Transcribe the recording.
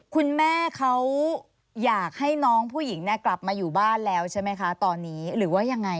คุณแม่เขาอยากให้น้องผู้หญิงเนี่ยกลับมาอยู่บ้านแล้วใช่ไหมคะตอนนี้หรือว่ายังไง